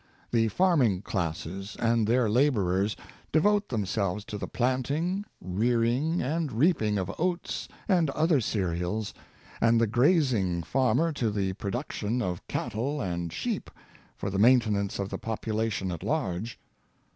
The farming classes and their laborers devote themselves to the planting, rearing and reaping of oats and other cereals, and the grazing farmer to the production of cattle and sheep, for the maintenance of the population at large.